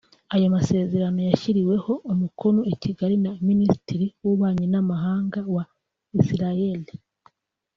Ayo masezerano yashyiriweho umukono i Kigali na Minisitiri w’Ububanyi n’Amahanga wa Israel